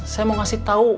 saya mau ngasih tau